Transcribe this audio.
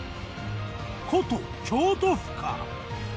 古都京都府か？